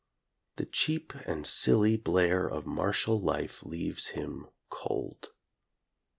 The cheap and silly blare of martial life leaves him cold.